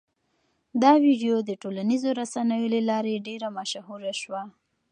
دا ویډیو د ټولنیزو رسنیو له لارې ډېره مشهوره شوه.